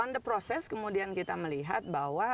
di proses itu kemudian kita melihat bahwa